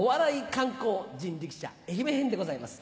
観光人力車愛媛編でございます。